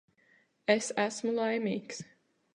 Es esmu laimīgs.